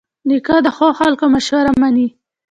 نیکه د ښو خلکو مشوره منې.